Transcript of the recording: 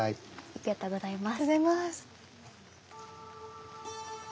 ありがとうございます。